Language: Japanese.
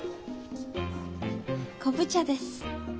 昆布茶です。